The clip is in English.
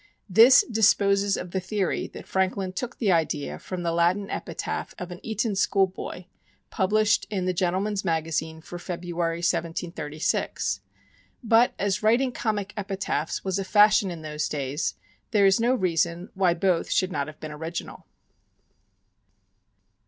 This disposes of the theory that Franklin took the idea from the Latin epitaph of an Eton school boy, published in the Gentleman's Magazine for February, 1736. But, as writing comic epitaphs was a fashion in those days, there is no reason why both should not have been original.